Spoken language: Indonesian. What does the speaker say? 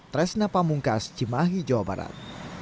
tresna pamungkas cimahi jawa barat